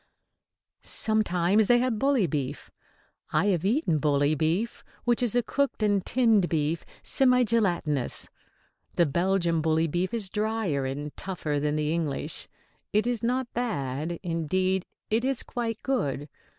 ] Sometimes they have bully beef. I have eaten bully beef, which is a cooked and tinned beef, semi gelatinous. The Belgian bully beef is drier and tougher than the English. It is not bad; indeed, it is quite good.